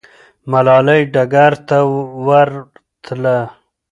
ملالۍ ډګر ته ورتله.